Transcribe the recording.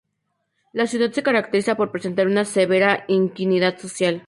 La ciudad se caracteriza por presentar una severa iniquidad social.